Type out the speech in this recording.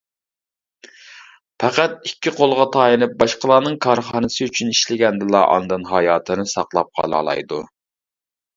پەقەت ئىككى قولىغا تايىنىپ باشقىلارنىڭ كارخانىسى ئۈچۈن ئىشلىگەندىلا ئاندىن ھاياتىنى ساقلاپ قالالايدۇ.